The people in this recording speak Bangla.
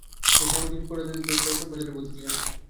তিনি স্বামীজীর প্রচারিত বেদান্ত দর্শন প্রচারে ব্রতী ছিলেন।